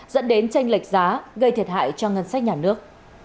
dẫn đến tranh lệch giá gây thiệt hại cho ngân sách nhà nước